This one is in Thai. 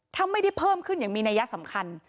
ถ้าไม่ได้เพิ่มขึ้นอย่างมีนัยสำคัญ